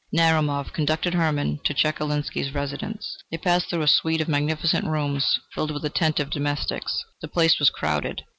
Narumov conducted Hermann to Chekalinsky's residence. They passed through a suite of magnificent rooms, filled with attentive domestics. The place was crowded.